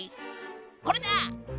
これだ！